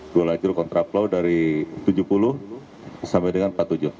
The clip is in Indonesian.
dua lajur kontraplow dari tujuh puluh sampai dengan empat puluh tujuh